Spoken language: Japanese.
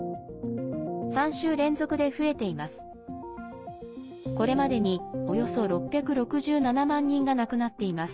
３週連続で増えています。